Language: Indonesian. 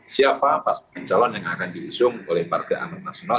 siapa pasangan calon yang akan diusung oleh partai amanat nasional